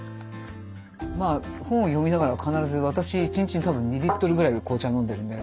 まあ本を読みながら必ず私１日に多分２リットルぐらい紅茶飲んでるんで。